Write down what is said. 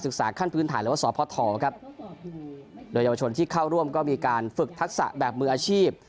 ขั้นพื้นฐานหรือว่าสพครับโดยเยาวชนที่เข้าร่วมก็มีการฝึกทักษะแบบมืออาชีพ